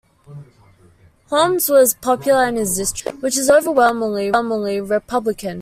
Holmes was popular in his district, which is overwhelmingly Republican.